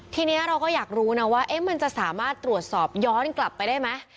ทีนี้เราก็อยากรู้นะว่ามันจะสามารถตรวจสอบย้อนกลับไปได้ไหม